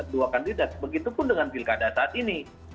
dua kandidat begitu pun dengan pilkada saat ini